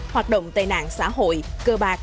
hoạt động tài nạn xã hội cơ bạc